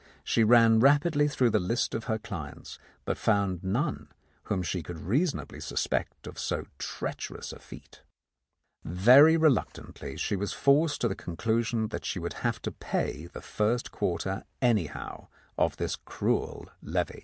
She ran rapidly through the list of her clients, but found none whom she could reasonably suspect of so treacherous a feat. Very reluctantly she was forced to the conclusion that she would have to pay the first quarter anyhow of this cruel levy.